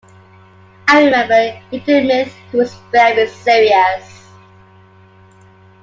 I remember Hindemith who was very serious.